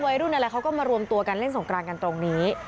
รุ่นอะไรเขาก็มารวมตัวกันเล่นสงกรานกันตรงนี้